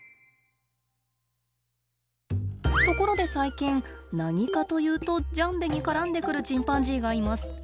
ところで最近何かというとジャンベに絡んでくるチンパンジーがいます。